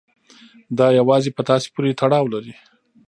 دا يوازې په تاسې پورې تړاو لري.